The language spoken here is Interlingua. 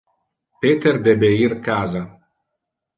Peter debe ir casa.